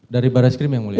dari baris krim yang mulia